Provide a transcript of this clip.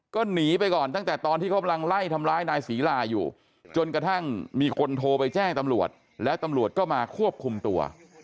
คนโทรไปแจ้งแล้วตำรวจก็มาควบคุมตัว